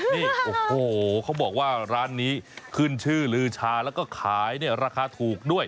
นี่โอ้โหเขาบอกว่าร้านนี้ขึ้นชื่อลือชาแล้วก็ขายเนี่ยราคาถูกด้วย